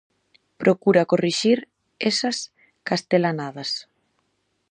Procura corrixir esas castelanadas.